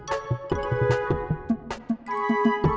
kalau begitu aku kindnessin